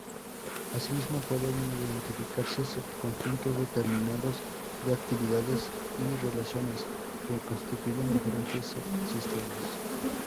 Asimismo pueden identificarse subconjuntos determinados de actividades y relaciones, que constituyen diferentes subsistemas.